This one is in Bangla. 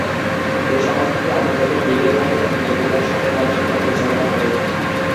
এই সংস্থাটি আঞ্চলিক লীগের মতো প্রতিযোগিতার সকল কার্যক্রম পরিচালনা করে।